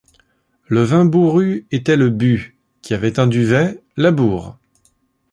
Le vin bourru était le bu, qui avait un duvet : la bourre.